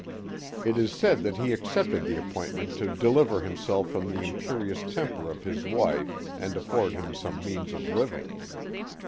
It is said that he accepted the appointment to deliver him self from the imperious temper of his wife and afford him some means of living.